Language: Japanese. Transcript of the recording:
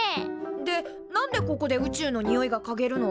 で何でここで宇宙のにおいがかげるの？